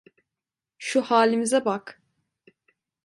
Şu halimize bak.